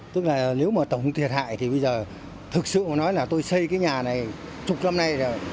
tức là nếu mà tổng thiệt hại thì bây giờ thực sự nói là tôi xây cái nhà này chục năm nay rồi